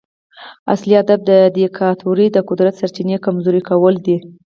اصلي هدف د دیکتاتورۍ د قدرت سرچینې کمزوري کول دي.